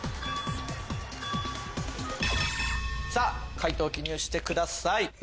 解答を記入してください。